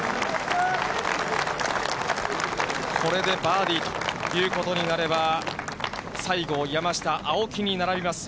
これでバーディーということになれば、西郷、山下、青木に並びます。